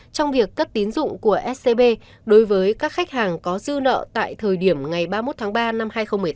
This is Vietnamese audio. trong việc cấp tín dụng của scb đối với các khách hàng có dư nợ tại thời điểm ngày ba mươi một tháng ba năm hai nghìn một mươi tám